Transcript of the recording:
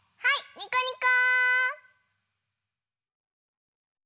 にこにこ！